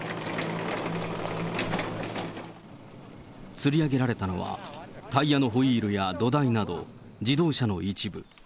つり上げられたのは、タイヤのホイールや土台など、自動車の一部。